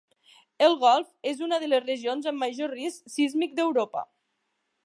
El golf és una de les regions amb major risc sísmic d'Europa.